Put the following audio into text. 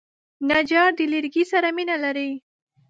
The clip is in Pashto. نجار د لرګي سره مینه لري.